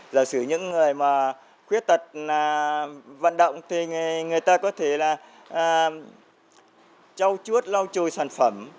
giờ xử những người khuyết tật vận động thì người ta có thể là châu chuốt lau chùi sản phẩm